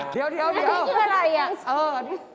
เดี๋ยวเดี๋ยวนังนี่คืออะไร